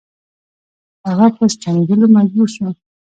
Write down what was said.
هغه په ستنېدلو مجبور شو.